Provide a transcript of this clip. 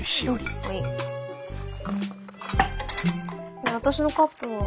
ねえ私のカップは？